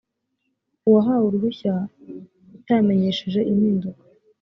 uwahawe uruhushya utamenyesheje impinduka